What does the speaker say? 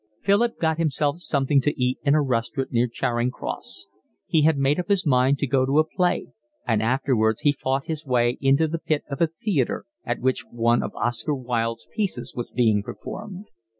Philip got himself something to eat in a restaurant near Charing Cross; he had made up his mind to go to a play, and afterwards he fought his way into the pit of a theatre at which one of Oscar Wilde's pieces was being performed.